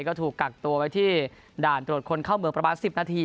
ก็ถูกกักตัวไว้ที่ด่านตรวจคนเข้าเมืองประมาณ๑๐นาที